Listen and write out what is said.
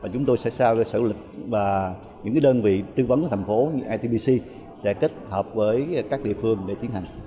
chúng tôi sẽ sao sở lực và những đơn vị tư vấn của thành phố như itbc sẽ kết hợp với các địa phương để tiến hành